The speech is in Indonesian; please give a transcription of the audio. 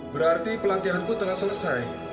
berarti pelatihanku telah selesai